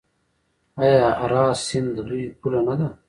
آیا اراس سیند د دوی پوله نه ده؟